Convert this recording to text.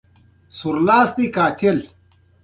ښارونه د افغانستان د شنو سیمو ښکلا ده.